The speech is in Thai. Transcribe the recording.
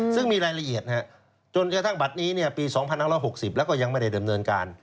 ซึ่งมีรายละเอียดจนกระทั่งบัตรนี้ปี๒๕๖๐แล้วก็ยังไม่ได้ดำเนินการ